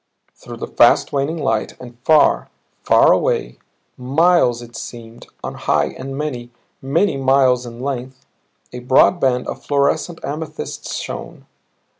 Through the fast waning light and far, far away miles it seemed on high and many, many miles in length a broad band of fluorescent amethyst shone.